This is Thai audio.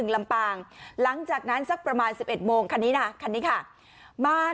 ๒๔๒๑ลำปางหลังจากนั้นสักประมาณ๑๑โมงคันนี้น่ะค่ะมา